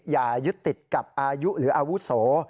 อย่ายึดติดกับอายุหรืออาวุโส